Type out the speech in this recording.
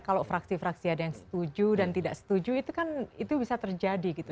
kalau fraksi fraksi ada yang setuju dan tidak setuju itu kan itu bisa terjadi gitu